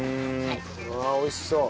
うわ美味しそう。